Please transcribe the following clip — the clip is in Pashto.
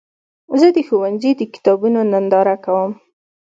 زه د ښوونځي د کتابونو ننداره کوم.